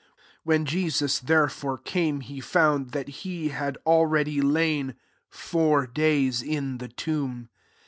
17 When Jesus, therefore, came, he found that he had al ready lain four days in the tomb.